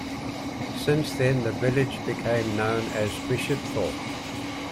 Since then, the village became known as Bishopthorpe.